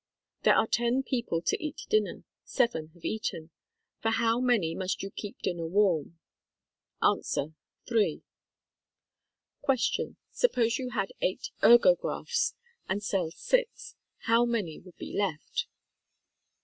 There are ten people to eat dinner. Seven have eaten. For how many must you keep din ner warm ? A. Three. Q. Suppose you had eight ergographs and sell six. How many would be left